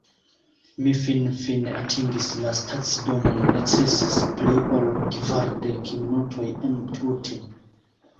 Mi finfine atingis la stacidomon necesis pli ol kvardek minutoj entute